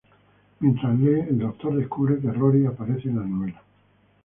Mientras lee, el Doctor descubre que Rory aparece en la novela.